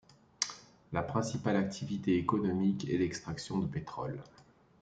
La principale activité économique est l'extraction de pétrole.